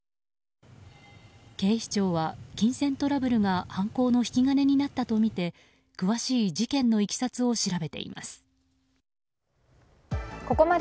警視庁は金銭トラブルが犯行の引き金になったとみて詳しい事件のいきさつを調べています。